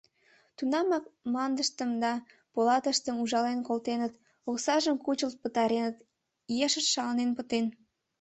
Тунамак мландыштым да полатыштым ужален колтеныт, оксажым кучылт пытареныт; ешышт шаланен пытен.